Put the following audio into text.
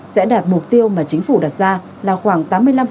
sẽ đạt mục tiêu mà chính phủ đặt ra là khoảng tám mươi năm